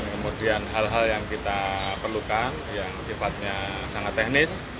kemudian hal hal yang kita perlukan yang sifatnya sangat teknis